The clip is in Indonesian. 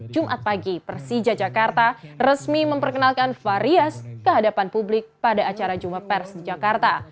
jumat pagi persija jakarta resmi memperkenalkan farias ke hadapan publik pada acara jumat pers di jakarta